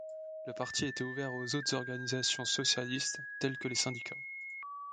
Le parti était ouvert aux autres organisations socialistes, tels que les syndicats.